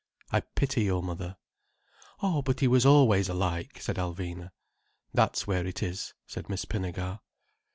I pity your mother." "Oh, but he was always alike," said Alvina. "That's where it is," said Miss Pinnegar.